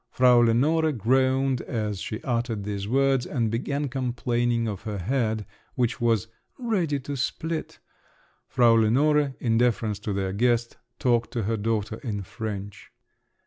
Frau Lenore groaned as she uttered these words, and began complaining of her head, which was "ready to split." (Frau Lenore, in deference to their guest, talked to her daughter in French.)